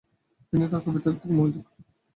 তিনি তার কবিতার দিকে মনোযোগ করেন।